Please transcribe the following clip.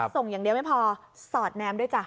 ส่งอย่างเดียวไม่พอสอดแนมด้วยจ้ะ